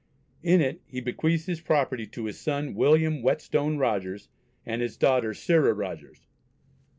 In it he bequeaths his property to his son William Whetstone Rogers, and his daughter Sarah Rogers.